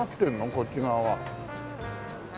こっち側は。